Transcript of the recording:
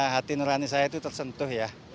hati nurani saya itu tersentuh ya